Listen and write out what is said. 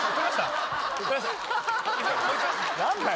何だよ